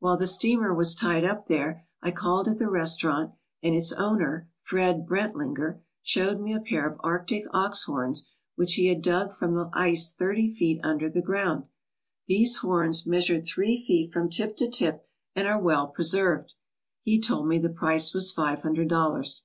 While the steamer was tied up there, I called at the restaurant, and its owner, Fred Brentlinger, showed me a pair of Arctic ox horns which he had dug from the ice thirty feet under the ground. These horns meas ure three feet from tip to tip and are well preserved. He told me the price was five hundred dollars.